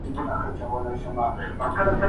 که ته مرسته غواړې نو زه حاضر یم چي درسره کار وکړم.